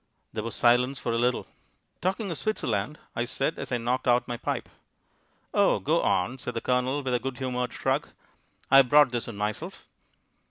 There was silence for a little. "Talking of Switzerland " I said, as I knocked out my pipe. "Oh, go on," said the Colonel, with a good humoured shrug. "I've brought this on myself."